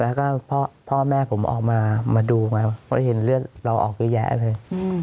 แล้วก็พ่อแม่ผมออกมาดูว่าเห็นเลือดเราออกแยะเลย